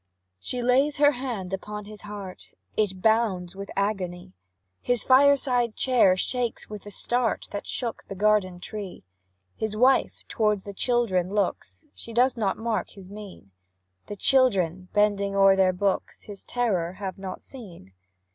She lays her hand upon his heart, It bounds with agony; His fireside chair shakes with the start That shook the garden tree. His wife towards the children looks, She does not mark his mien; The children, bending o'er their books, His terror have not seen.